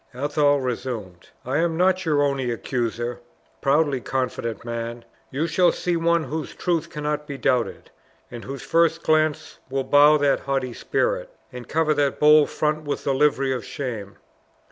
Athol resumed. "I am not your only accuser, proudly confident man; you shall see one whose truth cannot be doubted, and whose first glance will bow that haughty spirit, and cover that bold front with the livery of shame!